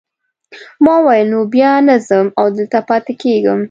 ما وویل نو بیا نه ځم او دلته پاتې کیږم.